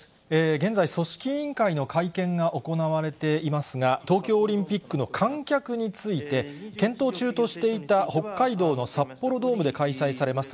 現在、組織委員会の会見が行われていますが、東京オリンピックの観客について、検討中としていた北海道の札幌ドームで開催されます